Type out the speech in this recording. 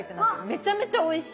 めちゃめちゃおいしい。